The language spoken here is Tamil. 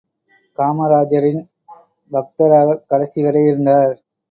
காமராஜரின் பக்தராகக் கடைசி வரை இருந்தார்.